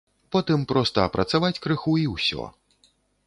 Потым проста апрацаваць крыху і ўсё.